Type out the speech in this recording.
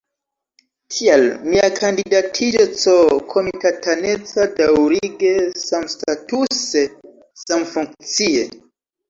Tial mia kandidatiĝo C-komitataneca, daŭrige, samstatuse, samfunkcie.